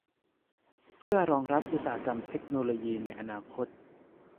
เพื่อรองรับอุตสาหกรรมเทคโนโลยีในอนาคต